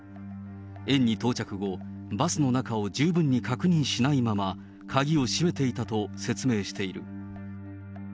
園に到着後、バスの中を十分に確認しないまま、鍵を閉めていたと説明している。